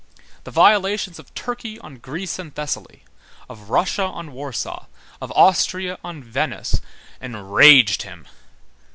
The violations of Turkey on Greece and Thessaly, of Russia on Warsaw, of Austria on Venice, enraged him.